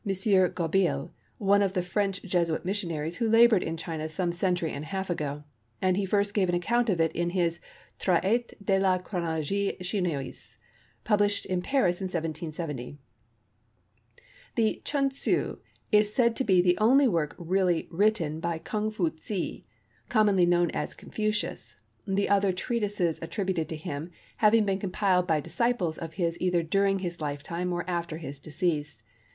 Gaubil, one of the French Jesuit missionaries who laboured in China some century and a half ago, and he first gave an account of it in his Traité de la Chronologie Chinoise, published at Paris in 1770. The Chun Tsew is said to be the only work really written by Kung Foo Tze, commonly known as Confucius, the other treatises attributed to him having been compiled by disciples of his either during his life time or after his decease.